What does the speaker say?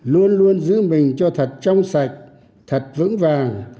luôn luôn giữ mình cho thật trong sạch thật vững vàng